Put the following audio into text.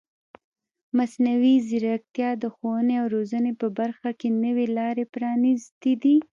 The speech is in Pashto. مصنوعي ځیرکتیا د ښوونې او روزنې په برخه کې نوې لارې پرانیستې دي.